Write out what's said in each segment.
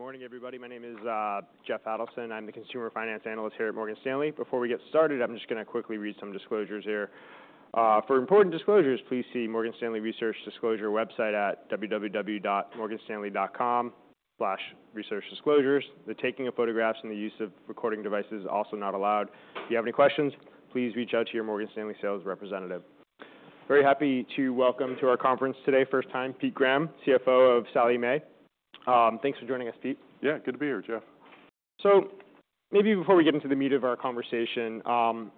Good morning, everybody. My name is Jeff Adelson. I'm the consumer finance analyst here at Morgan Stanley. Before we get started, I'm just going to quickly read some disclosures here. For important disclosures, please see Morgan Stanley Research Disclosure website at www.morganstanley.com/researchdisclosures. The taking of photographs and the use of recording devices is also not allowed. If you have any questions, please reach out to your Morgan Stanley sales representative. Very happy to welcome to our conference today, first time, Pete Graham, CFO of Sallie Mae. Thanks for joining us, Pete. Yeah, good to be here,. Maybe before we get into the meat of our conversation,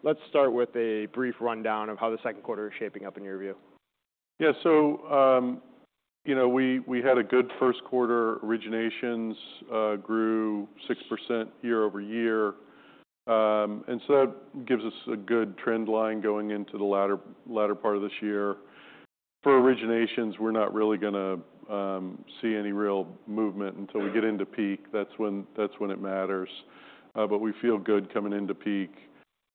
let's start with a brief rundown of how the second quarter is shaping up in your view. Yeah. So, you know, we had a good first quarter. Originations grew 6% year-over-year. And so that gives us a good trend line going into the latter part of this year. For originations, we're not really gonna see any real movement until we get into peak. That's when it matters. But we feel good coming into peak.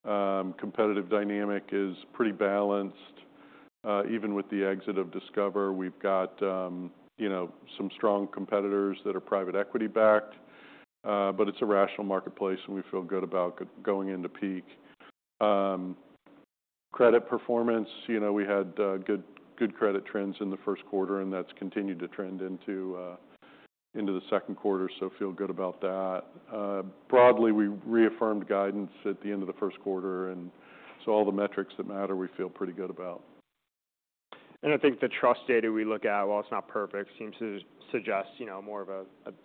Competitive dynamic is pretty balanced. Even with the exit of Discover, we've got, you know, some strong competitors that are private equity-backed. But it's a rational marketplace, and we feel good about going into peak. Credit performance, you know, we had good credit trends in the first quarter, and that's continued to trend into the second quarter, so feel good about that. Broadly, we reaffirmed guidance at the end of the first quarter, and so all the metrics that matter, we feel pretty good about. I think the trust data we look at, while it's not perfect, seems to suggest, you know, more of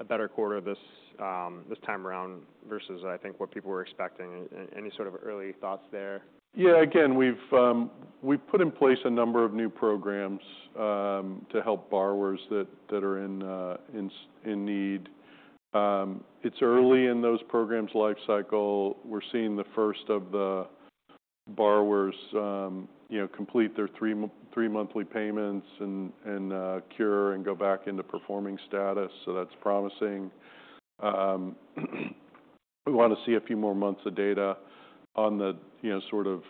a better quarter this time around versus, I think, what people were expecting. Any sort of early thoughts there? Yeah. Again, we've put in place a number of new programs to help borrowers that are in need. It's early in those programs' life cycle. We're seeing the first of the borrowers you know complete their three monthly payments and cure and go back into performing status, so that's promising. We want to see a few more months of data on the you know sort of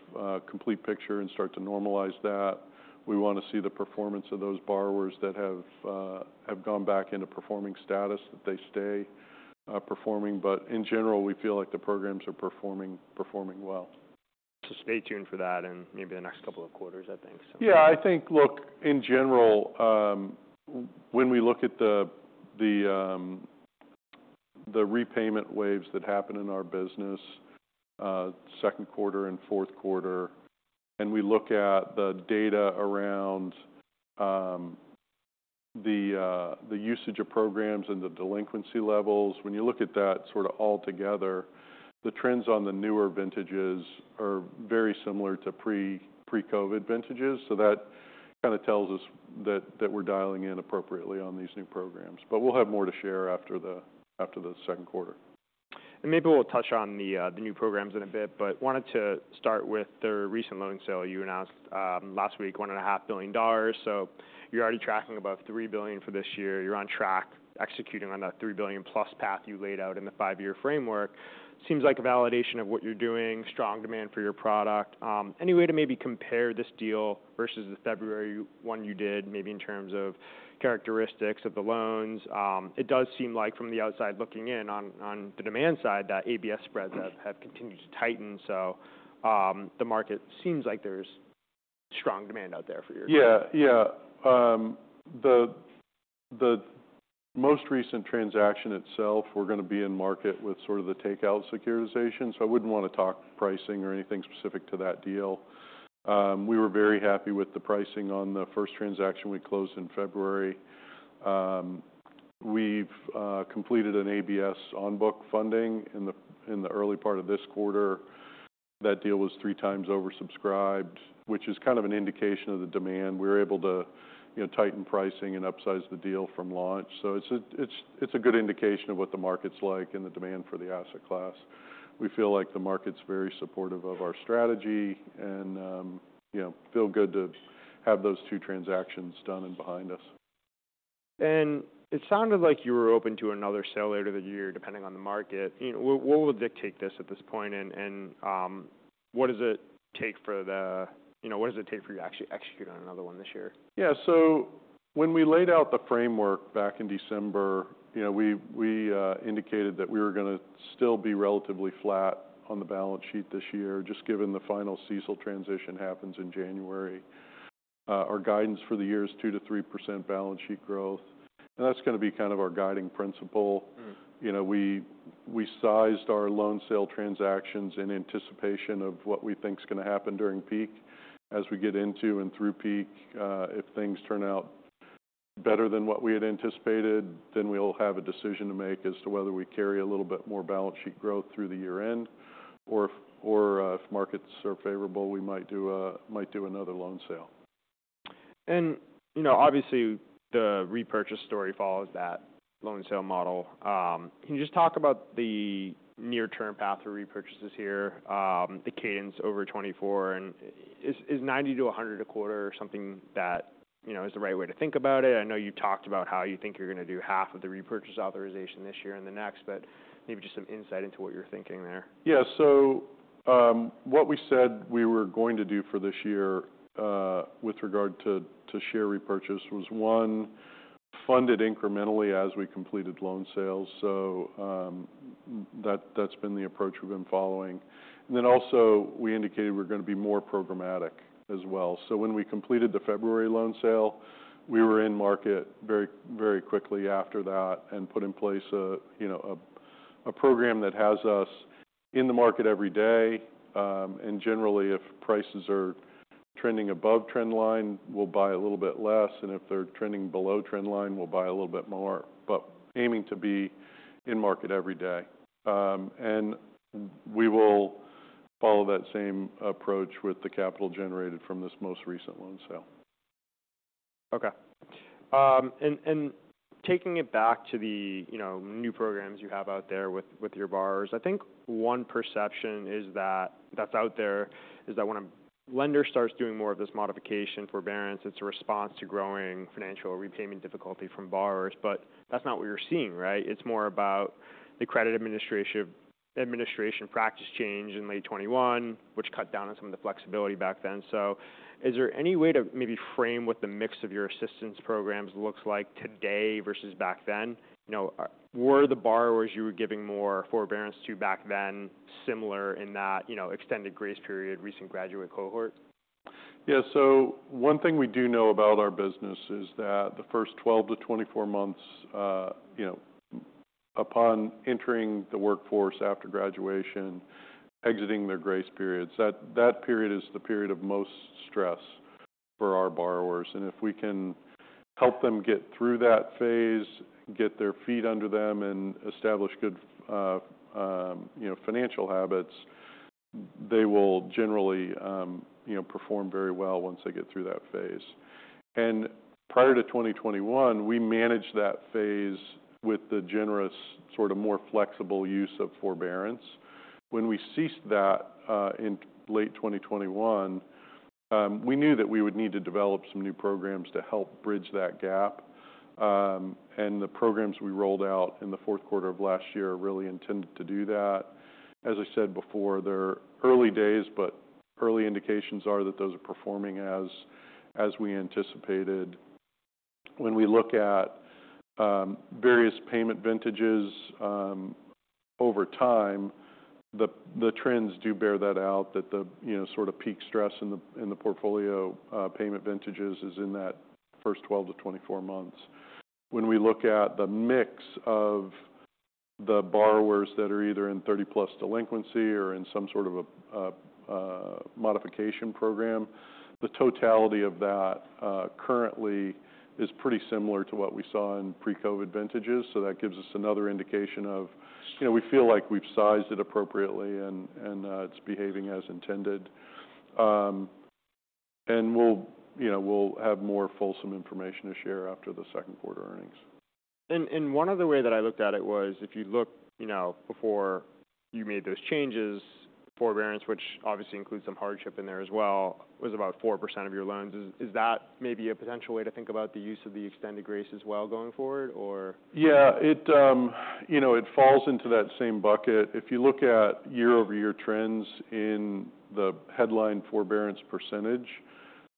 complete picture and start to normalize that. We want to see the performance of those borrowers that have gone back into performing status, that they stay performing. But in general, we feel like the programs are performing well. Stay tuned for that in maybe the next couple of quarters, I think so. Yeah, I think, look, in general, when we look at the repayment waves that happen in our business, second quarter and fourth quarter, and we look at the data around the usage of programs and the delinquency levels, when you look at that sort of altogether, the trends on the newer vintages are very similar to pre-COVID vintages. So that kind of tells us that we're dialing in appropriately on these new programs. But we'll have more to share after the second quarter. And maybe we'll touch on the new programs in a bit, but wanted to start with the recent loan sale. You announced last week $1.5 billion, so you're already tracking above $3 billion for this year. You're on track, executing on that $3 billion-plus path you laid out in the five-year framework. Seems like a validation of what you're doing, strong demand for your product. Any way to maybe compare this deal versus the February one you did, maybe in terms of characteristics of the loans? It does seem like from the outside looking in on the demand side, that ABS spreads have continued to tighten, so the market seems like there's strong demand out there for your- Yeah. Yeah. The most recent transaction itself, we're going to be in market with sort of the takeout securitization, so I wouldn't want to talk pricing or anything specific to that deal. We were very happy with the pricing on the first transaction we closed in February. We've completed an ABS on-book funding in the early part of this quarter. That deal was three times oversubscribed, which is kind of an indication of the demand. We were able to, you know, tighten pricing and upsize the deal from launch. So it's a good indication of what the market's like and the demand for the asset class. We feel like the market's very supportive of our strategy and, you know, feel good to have those two transactions done and behind us. It sounded like you were open to another sale later this year, depending on the market. You know, what would dictate this at this point? And what does it take for you to actually execute on another one this year? Yeah. So when we laid out the framework back in December, you know, we indicated that we were gonna still be relatively flat on the balance sheet this year, just given the final CECL transition happens in January. Our guidance for the year is 2%-3% balance sheet growth, and that's gonna be kind of our guiding principle. Mm. You know, we sized our loan sale transactions in anticipation of what we think is gonna happen during peak. As we get into and through peak, if things turn out better than what we had anticipated, then we'll have a decision to make as to whether we carry a little bit more balance sheet growth through the year-end, or if markets are favorable, we might do another loan sale. You know, obviously, the repurchase story follows that loan sale model. Can you just talk about the near-term path for repurchases here, the cadence over 2024, and is 90-100 a quarter or something that, you know, is the right way to think about it? I know you talked about how you think you're going to do half of the repurchase authorization this year and the next, but maybe just some insight into what you're thinking there. Yeah. So, what we said we were going to do for this year, with regard to share repurchase was funded incrementally as we completed loan sales. So, that's been the approach we've been following. And then also, we indicated we're gonna be more programmatic as well. So when we completed the February loan sale, we were in market very, very quickly after that and put in place a, you know, a program that has us in the market every day. And generally, if prices are trending above trend line, we'll buy a little bit less, and if they're trending below trend line, we'll buy a little bit more. But aiming to be in market every day. And we will follow that same approach with the capital generated from this most recent loan sale. Okay. And taking it back to the, you know, new programs you have out there with your borrowers, I think one perception that's out there is that when a lender starts doing more of this modification forbearance, it's a response to growing financial repayment difficulty from borrowers, but that's not what you're seeing, right? It's more about the credit administration practice change in late 2021, which cut down on some of the flexibility back then. So is there any way to maybe frame what the mix of your assistance programs looks like today versus back then? You know, were the borrowers you were giving more forbearance to back then similar in that, you know, extended grace period, recent graduate cohort? Yeah. So one thing we do know about our business is that the first 12 to 24 months, you know, upon entering the workforce after graduation, exiting their grace periods, that period is the period of most stress for our borrowers. And if we can help them get through that phase, get their feet under them, and establish good, you know, financial habits, they will generally, you know, perform very well once they get through that phase. And prior to 2021, we managed that phase with the generous, sort of, more flexible use of forbearance. When we ceased that, in late 2021, we knew that we would need to develop some new programs to help bridge that gap. And the programs we rolled out in the fourth quarter of last year really intended to do that. As I said before, they're early days, but early indications are that those are performing as we anticipated. When we look at various payment vintages over time, the trends do bear that out, that the, you know, sort of peak stress in the portfolio payment vintages is in that first 12 to 24 months. When we look at the mix of the borrowers that are either in 30-plus delinquency or in some sort of a modification program, the totality of that currently is pretty similar to what we saw in pre-COVID vintages. So that gives us another indication of, you know, we feel like we've sized it appropriately and it's behaving as intended. And we'll, you know, we'll have more fulsome information to share after the second quarter earnings. One other way that I looked at it was, if you look, you know, before you made those changes, forbearance, which obviously includes some hardship in there as well, was about 4% of your loans. Is that maybe a potential way to think about the use of the extended grace as well going forward or? Yeah, it, you know, it falls into that same bucket. If you look at year-over-year trends in the headline forbearance percentage,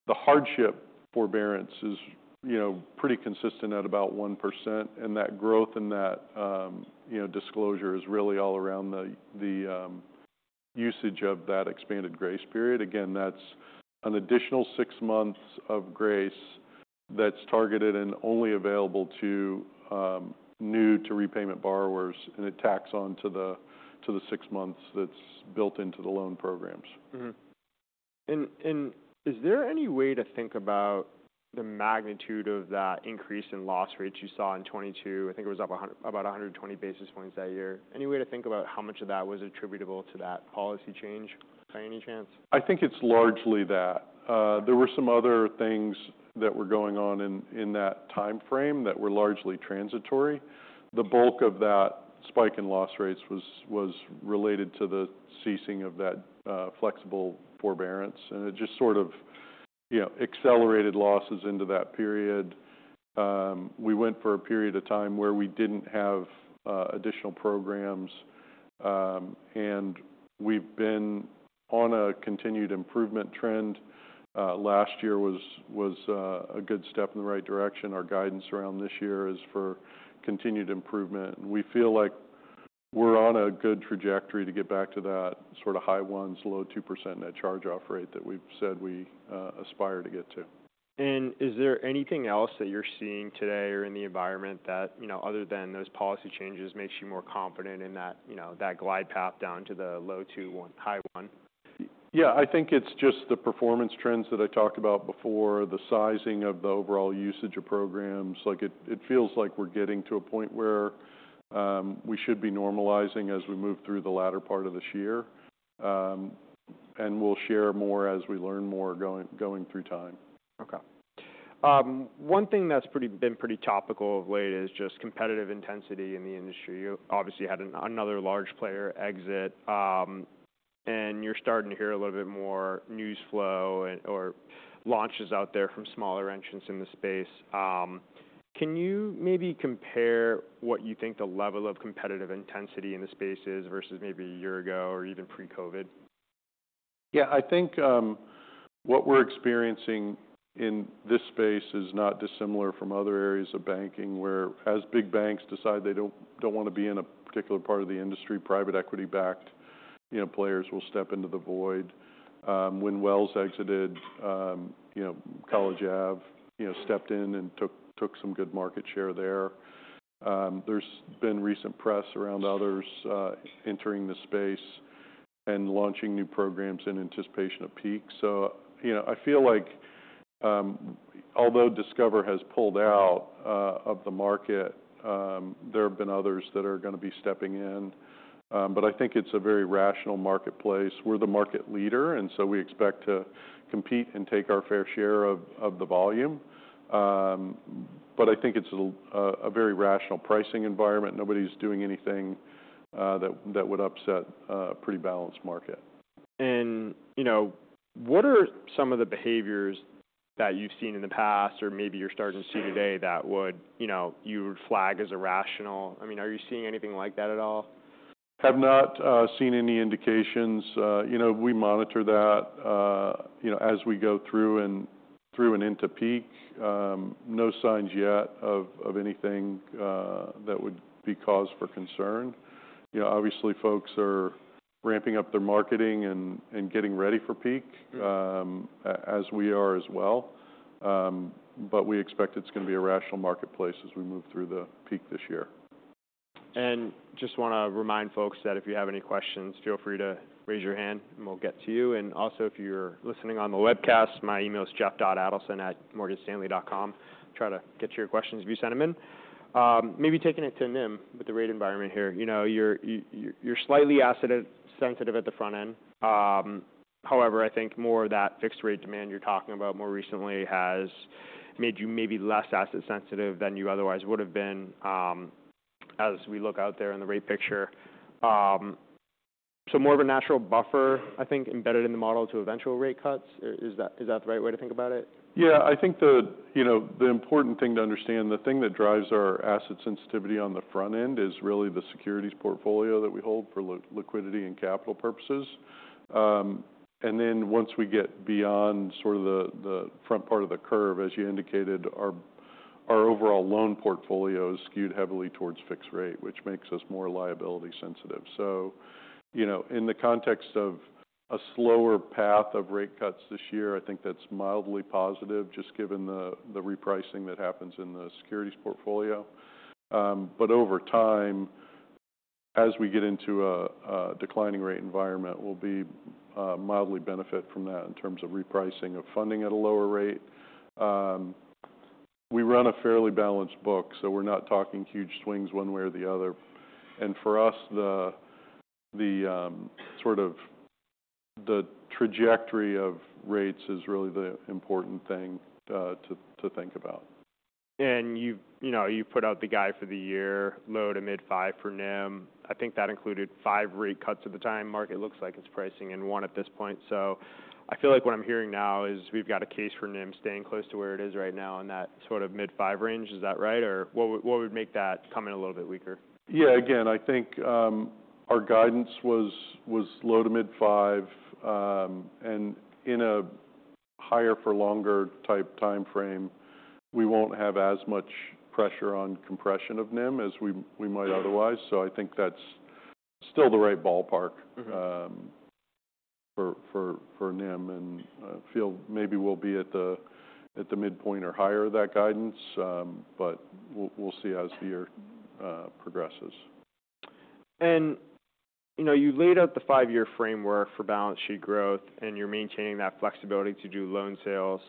the hardship forbearance is, you know, pretty consistent at about 1%, and that growth in that, you know, disclosure is really all around the usage of that expanded grace period. Again, that's an additional six months of grace that's targeted and only available to new-to-repayment borrowers, and it tacks on to the six months that's built into the loan programs. Mm-hmm. And is there any way to think about the magnitude of that increase in loss rates you saw in 2022? I think it was up 100-- about 120 basis points that year. Any way to think about how much of that was attributable to that policy change, by any chance? I think it's largely that. There were some other things that were going on in that time frame that were largely transitory. The bulk of that spike in loss rates was related to the ceasing of that flexible forbearance, and it just sort of, you know, accelerated losses into that period. We went for a period of time where we didn't have additional programs, and we've been on a continued improvement trend. Last year was a good step in the right direction. Our guidance around this year is for continued improvement, and we feel like we're on a good trajectory to get back to that sort of high ones, low 2% net charge-off rate that we've said we aspire to get to. Is there anything else that you're seeing today or in the environment that, you know, other than those policy changes, makes you more confident in that, you know, that glide path down to the low 2s - high 1s? Yeah, I think it's just the performance trends that I talked about before, the sizing of the overall usage of programs. Like, it feels like we're getting to a point where we should be normalizing as we move through the latter part of this year. And we'll share more as we learn more going through time. Okay. One thing that's been pretty topical of late is just competitive intensity in the industry. You obviously had another large player exit, and you're starting to hear a little bit more news flow and or launches out there from smaller entrants in the space. Can you maybe compare what you think the level of competitive intensity in the space is versus maybe a year ago or even pre-COVID?... Yeah, I think what we're experiencing in this space is not dissimilar from other areas of banking, whereas big banks decide they don't want to be in a particular part of the industry, private equity-backed, you know, players will step into the void. When Wells exited, you know, College Ave stepped in and took some good market share there. There's been recent press around others entering the space and launching new programs in anticipation of peak. So you know, I feel like although Discover has pulled out of the market, there have been others that are gonna be stepping in. But I think it's a very rational marketplace. We're the market leader, and so we expect to compete and take our fair share of the volume. I think it's a little, a very rational pricing environment. Nobody's doing anything that would upset a pretty balanced market. You know, what are some of the behaviors that you've seen in the past, or maybe you're starting to see today, that would, you know, you would flag as irrational? I mean, are you seeing anything like that at all? Have not seen any indications. You know, we monitor that, you know, as we go through and into peak. No signs yet of anything that would be cause for concern. You know, obviously, folks are ramping up their marketing and getting ready for peak, as we are as well. But we expect it's gonna be a rational marketplace as we move through the peak this year. Just wanna remind folks that if you have any questions, feel free to raise your hand, and we'll get to you. Also, if you're listening on the webcast, my email is jeff.adelson@morganstanley.com. Try to get to your questions if you send them in. Maybe taking it to NIM, with the rate environment here, you know, you're slightly asset sensitive at the front end. However, I think more of that fixed rate demand you're talking about more recently has made you maybe less asset sensitive than you otherwise would have been, as we look out there in the rate picture. So more of a natural buffer, I think, embedded in the model to eventual rate cuts. Is that the right way to think about it? Yeah, I think the, you know, the important thing to understand, the thing that drives our asset sensitivity on the front end is really the securities portfolio that we hold for liquidity and capital purposes. And then once we get beyond sort of the front part of the curve, as you indicated, our overall loan portfolio is skewed heavily towards fixed rate, which makes us more liability sensitive. So, you know, in the context of a slower path of rate cuts this year, I think that's mildly positive, just given the repricing that happens in the securities portfolio. But over time, as we get into a declining rate environment, we'll be mildly benefit from that in terms of repricing of funding at a lower rate. We run a fairly balanced book, so we're not talking huge swings one way or the other. And for us, sort of the trajectory of rates is really the important thing to think about. You've, you know, you've put out the guide for the year, low- to mid-5 for NIM. I think that included 5 rate cuts at the time. Market looks like it's pricing in 1 at this point. So I feel like what I'm hearing now is we've got a case for NIM staying close to where it is right now in that sort of mid-5 range. Is that right? Or what would make that come in a little bit weaker? Yeah. Again, I think, our guidance was low-to-mid 5. And in a higher-for-longer type time frame, we won't have as much pressure on compression of NIM as we might otherwise. So I think that's still the right ballpark- Mm-hmm... for NIM, and I feel maybe we'll be at the midpoint or higher of that guidance, but we'll see as the year progresses. You know, you laid out the five-year framework for balance sheet growth, and you're maintaining that flexibility to do loan sales.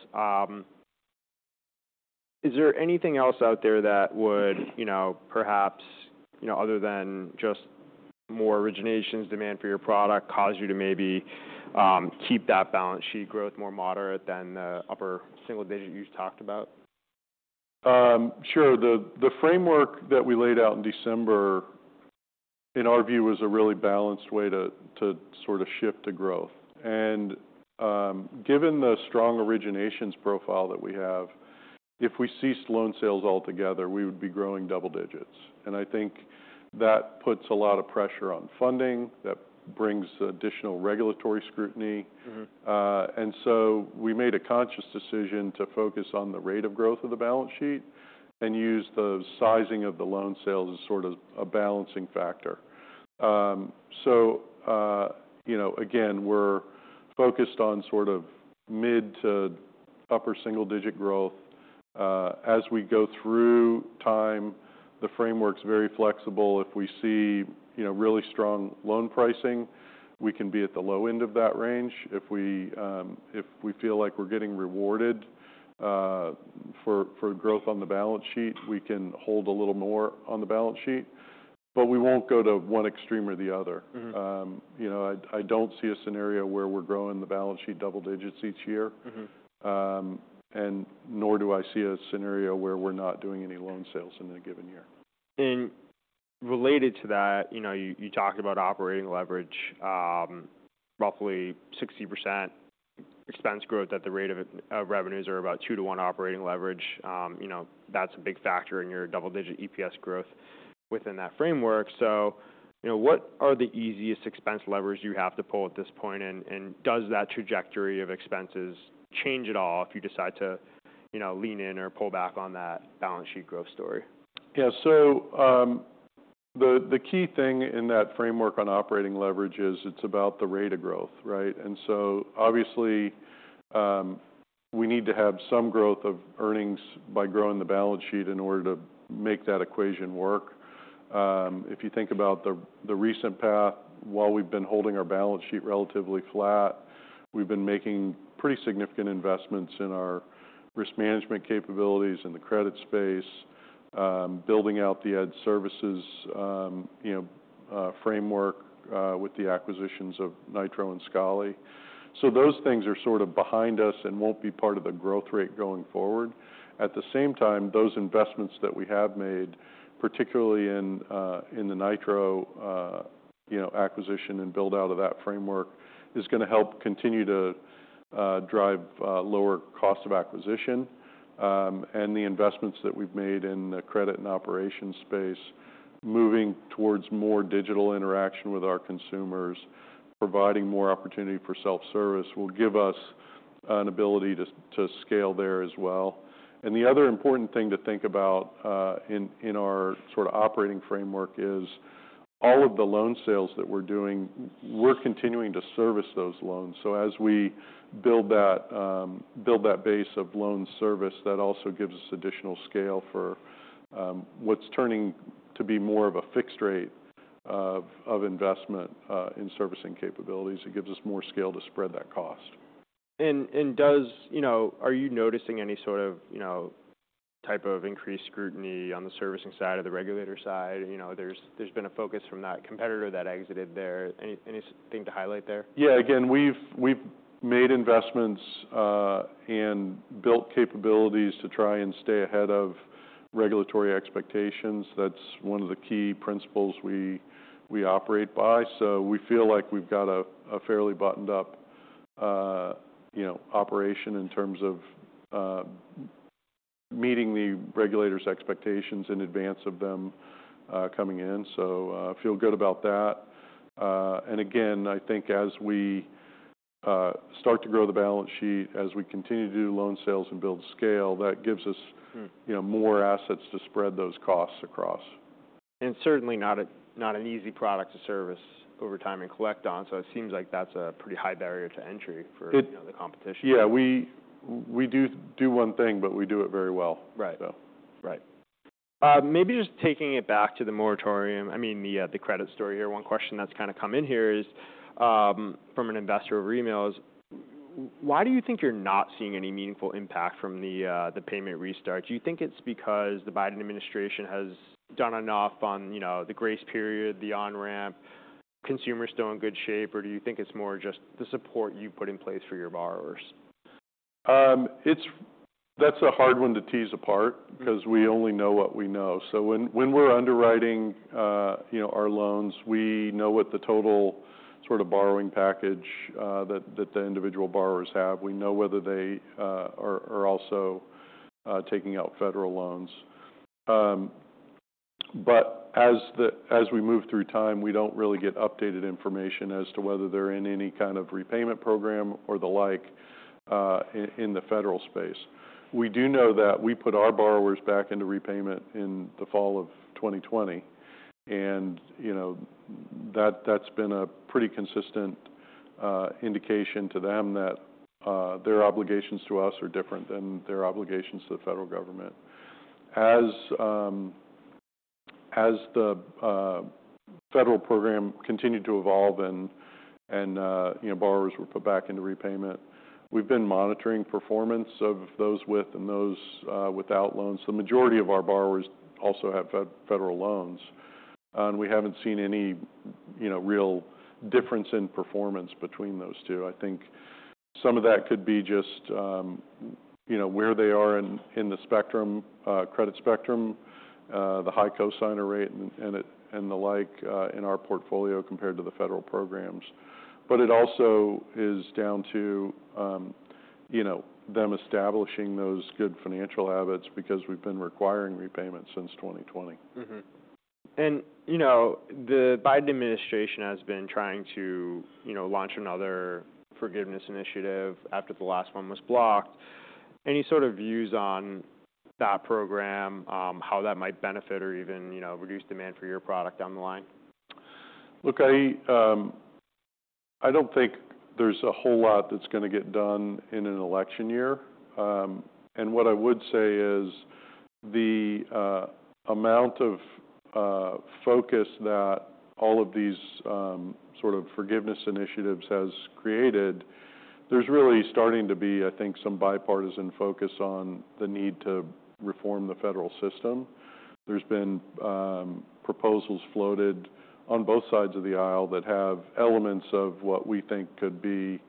Is there anything else out there that would, you know, perhaps, you know, other than just more originations demand for your product, cause you to maybe keep that balance sheet growth more moderate than the upper single digit you've talked about? Sure. The framework that we laid out in December, in our view, was a really balanced way to sort of shift the growth. And, given the strong originations profile that we have, if we ceased loan sales altogether, we would be growing double digits. And I think that puts a lot of pressure on funding. That brings additional regulatory scrutiny. Mm-hmm. And so we made a conscious decision to focus on the rate of growth of the balance sheet and use the sizing of the loan sales as sort of a balancing factor. So, you know, again, we're focused on sort of mid to upper single digit growth. As we go through time, the framework's very flexible. If we see, you know, really strong loan pricing, we can be at the low end of that range. If we, if we feel like we're getting rewarded, for, for growth on the balance sheet, we can hold a little more on the balance sheet- Right. But we won't go to one extreme or the other. Mm-hmm. You know, I don't see a scenario where we're growing the balance sheet double digits each year. Mm-hmm. And nor do I see a scenario where we're not doing any loan sales in a given year. Related to that, you know, you talked about operating leverage, roughly 60% expense growth at the rate of revenues are about 2-to-1 operating leverage. You know, that's a big factor in your double-digit EPS growth within that framework. So, you know, what are the easiest expense levers you have to pull at this point? And does that trajectory of expenses change at all if you decide to, you know, lean in or pull back on that balance sheet growth story? Yeah. So, the key thing in that framework on operating leverage is it's about the rate of growth, right? And so, obviously, we need to have some growth of earnings by growing the balance sheet in order to make that equation work. If you think about the recent path, while we've been holding our balance sheet relatively flat, we've been making pretty significant investments in our risk management capabilities in the credit space, building out the Ed services, you know, framework, with the acquisitions of Nitro and Scholly. So those things are sort of behind us and won't be part of the growth rate going forward. At the same time, those investments that we have made, particularly in the Nitro, you know, acquisition and build-out of that framework, is gonna help continue to drive lower cost of acquisition. And the investments that we've made in the credit and operations space, moving towards more digital interaction with our consumers, providing more opportunity for self-service, will give us an ability to scale there as well. And the other important thing to think about in our sort of operating framework is all of the loan sales that we're doing, we're continuing to service those loans. So as we build that base of loan service, that also gives us additional scale for what's turning to be more of a fixed rate of investment in servicing capabilities. It gives us more scale to spread that cost. Does, you know, are you noticing any sort of, you know, type of increased scrutiny on the servicing side or the regulator side? You know, there's been a focus from that competitor that exited there. Anything to highlight there? Yeah, again, we've made investments and built capabilities to try and stay ahead of regulatory expectations. That's one of the key principles we operate by. So we feel like we've got a fairly buttoned-up, you know, operation in terms of meeting the regulators' expectations in advance of them coming in. So, feel good about that. And again, I think as we start to grow the balance sheet, as we continue to do loan sales and build scale, that gives us- Mm-hmm... you know, more assets to spread those costs across. And certainly not an easy product to service over time and collect on, so it seems like that's a pretty high barrier to entry for- It- you know, the competition. Yeah, we do one thing, but we do it very well. Right. So. Right. Maybe just taking it back to the moratorium, I mean, the credit story here. One question that's kind of come in here is from an investor over email: why do you think you're not seeing any meaningful impact from the payment restart? Do you think it's because the Biden administration has done enough on, you know, the grace period, the on-ramp, consumers still in good shape? Or do you think it's more just the support you put in place for your borrowers? That's a hard one to tease apart. Mm-hmm... 'cause we only know what we know. So when we're underwriting, you know, our loans, we know what the total sort of borrowing package that the individual borrowers have. We know whether they are also taking out federal loans. But as we move through time, we don't really get updated information as to whether they're in any kind of repayment program or the like in the federal space. We do know that we put our borrowers back into repayment in the fall of 2020, and you know that's been a pretty consistent indication to them that their obligations to us are different than their obligations to the federal government. As the federal program continued to evolve and, you know, borrowers were put back into repayment, we've been monitoring performance of those with and those without loans. The majority of our borrowers also have federal loans, and we haven't seen any, you know, real difference in performance between those two. I think some of that could be just, you know, where they are in the credit spectrum, the high cosigner rate and the like in our portfolio compared to the federal programs. But it also is down to, you know, them establishing those good financial habits because we've been requiring repayment since 2020. Mm-hmm. And, you know, the Biden administration has been trying to, you know, launch another forgiveness initiative after the last one was blocked. Any sort of views on that program, how that might benefit or even, you know, reduce demand for your product down the line? Look, I, I don't think there's a whole lot that's gonna get done in an election year. And what I would say is, the amount of focus that all of these sort of forgiveness initiatives has created, there's really starting to be, I think, some bipartisan focus on the need to reform the federal system. There's been proposals floated on both sides of the aisle that have elements of what we think could be, you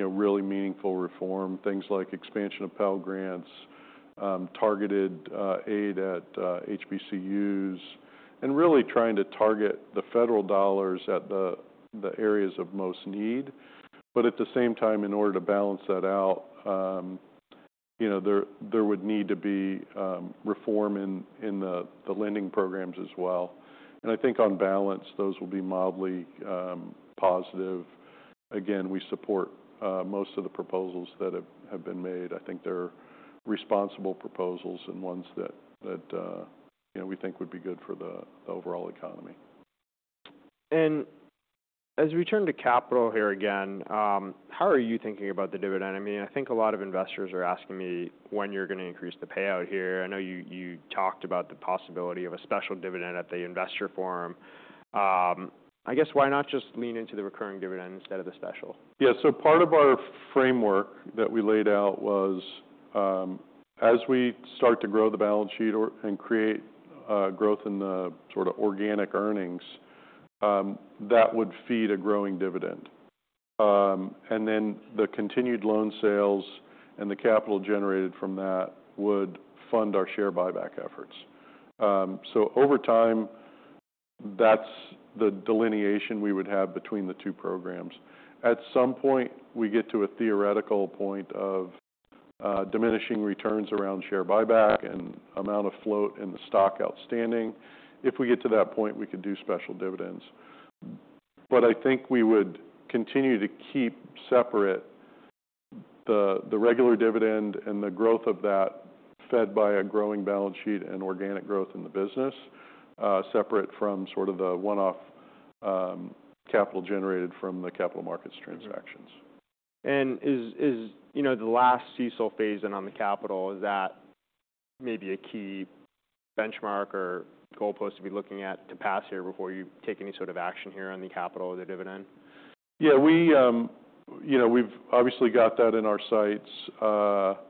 know, really meaningful reform, things like expansion of Pell Grants targeted aid at HBCUs, and really trying to target the federal dollars at the areas of most need. But at the same time, in order to balance that out, you know, there would need to be reform in the lending programs as well. I think on balance, those will be mildly positive. Again, we support most of the proposals that have been made. I think they're responsible proposals and ones that you know, we think would be good for the overall economy. As we turn to capital here again, how are you thinking about the dividend? I mean, I think a lot of investors are asking me when you're gonna increase the payout here. I know you talked about the possibility of a special dividend at the investor forum. I guess why not just lean into the recurring dividend instead of the special? Yeah. So part of our framework that we laid out was, as we start to grow the balance sheet and create growth in the sort of organic earnings, that would feed a growing dividend. And then the continued loan sales and the capital generated from that would fund our share buyback efforts. So over time, that's the delineation we would have between the two programs. At some point, we get to a theoretical point of diminishing returns around share buyback and amount of float in the stock outstanding. If we get to that point, we could do special dividends. I think we would continue to keep separate the regular dividend and the growth of that, fed by a growing balance sheet and organic growth in the business, separate from sort of the one-off capital generated from the capital markets transactions. Is, you know, the last CECL phase-in on the capital, is that maybe a key benchmark or goalpost to be looking at to pass here before you take any sort of action here on the capital or the dividend? Yeah, we, you know, we've obviously got that in our sights.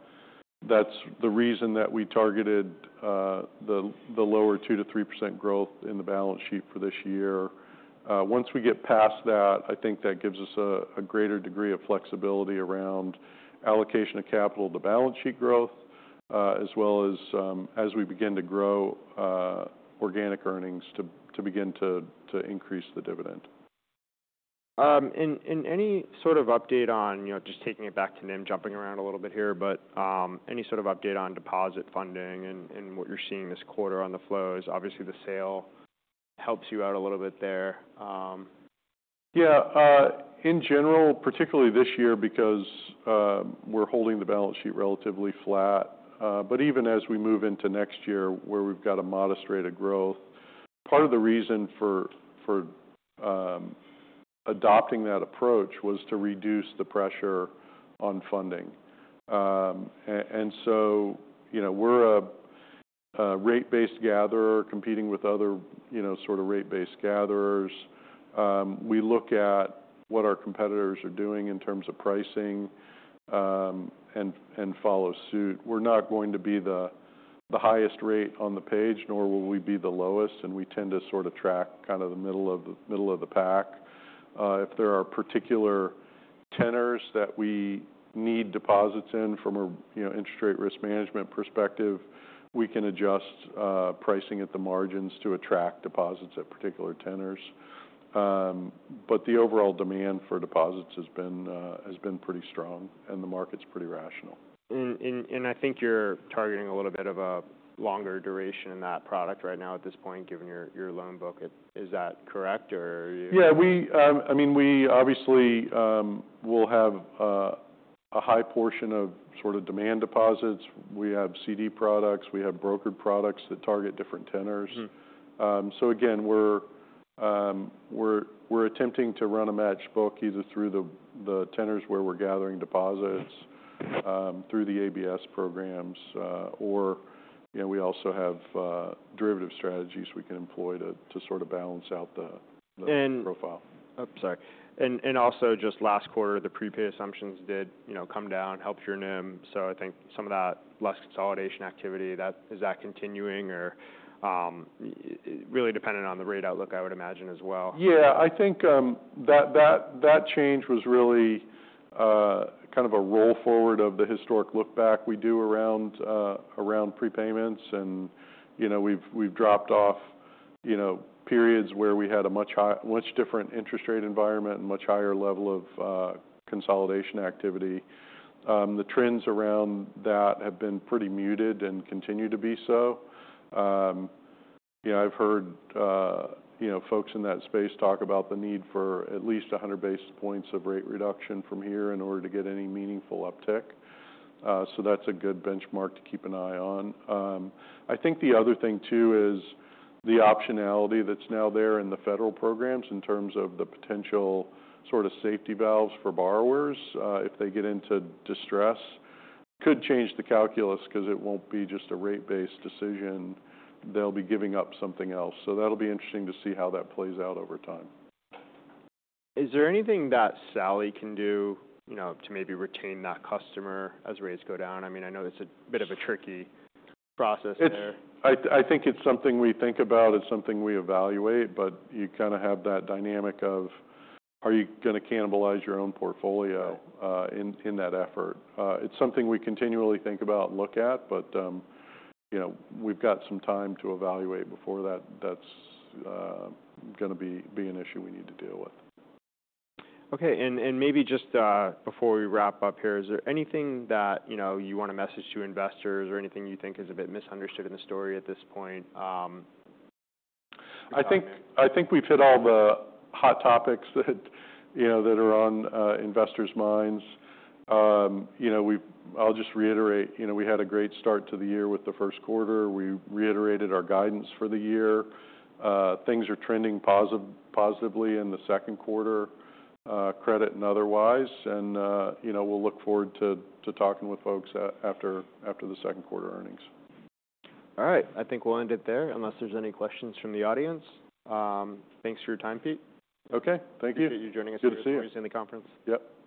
That's the reason that we targeted the lower 2%-3% growth in the balance sheet for this year. Once we get past that, I think that gives us a greater degree of flexibility around allocation of capital to balance sheet growth, as well as, as we begin to grow organic earnings to begin to increase the dividend. Any sort of update on, you know, just taking it back to NIM, jumping around a little bit here, but any sort of update on deposit funding and what you're seeing this quarter on the flows? Obviously, the sale helps you out a little bit there. Yeah. In general, particularly this year, because we're holding the balance sheet relatively flat, but even as we move into next year, where we've got a modest rate of growth, part of the reason for adopting that approach was to reduce the pressure on funding. And so, you know, we're a rate-based gatherer competing with other, you know, sort of rate-based gatherers. We look at what our competitors are doing in terms of pricing, and follow suit. We're not going to be the highest rate on the page, nor will we be the lowest, and we tend to sort of track kind of the middle of the pack. If there are particular tenors that we need deposits in from a, you know, interest rate risk management perspective, we can adjust pricing at the margins to attract deposits at particular tenors. But the overall demand for deposits has been pretty strong, and the market's pretty rational. I think you're targeting a little bit of a longer duration in that product right now, at this point, given your loan book. Is that correct, or are you- Yeah, we, I mean, we obviously will have a high portion of sort of demand deposits. We have CD products, we have brokered products that target different tenors. Mm-hmm. So again, we're attempting to run a matched book, either through the tenors where we're gathering deposits through the ABS programs, or, you know, we also have derivative strategies we can employ to sort of balance out the- And- -the profile. Oh, sorry. And also just last quarter, the prepay assumptions did, you know, come down, helped your NIM. So I think some of that less consolidation activity, that is that continuing? Or, really dependent on the rate outlook, I would imagine as well. Yeah. I think that change was really kind of a roll forward of the historic look back we do around around prepayments. And, you know, we've dropped off, you know, periods where we had a much different interest rate environment and much higher level of consolidation activity. The trends around that have been pretty muted and continue to be so. Yeah, I've heard you know, folks in that space talk about the need for at least 100 basis points of rate reduction from here in order to get any meaningful uptick. So that's a good benchmark to keep an eye on. I think the other thing, too, is the optionality that's now there in the federal programs, in terms of the potential sort of safety valves for borrowers if they get into distress. Could change the calculus, 'cause it won't be just a rate-based decision. They'll be giving up something else. So that'll be interesting to see how that plays out over time. Is there anything that Sallie can do, you know, to maybe retain that customer as rates go down? I mean, I know it's a bit of a tricky process there. I think it's something we think about, it's something we evaluate, but you kind of have that dynamic of, are you gonna cannibalize your own portfolio- Right... in that effort? It's something we continually think about and look at, but, you know, we've got some time to evaluate before that, that's gonna be an issue we need to deal with. Okay. And maybe just before we wrap up here, is there anything that, you know, you want to message to investors, or anything you think is a bit misunderstood in the story at this point? You got me. I think, I think we've hit all the hot topics that, you know, that are on investors' minds. You know, I'll just reiterate, you know, we had a great start to the year with the first quarter. We reiterated our guidance for the year. Things are trending positively in the second quarter, credit and otherwise. And, you know, we'll look forward to talking with folks after the second quarter earnings. All right. I think we'll end it there, unless there's any questions from the audience. Thanks for your time, Pete. Okay. Thank you. Appreciate you joining us. Good to see you.... in the conference. Yep.